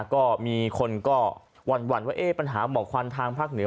ก็มีคนก็หวั่นว่าปัญหาหมอกควันทางภาคเหนือ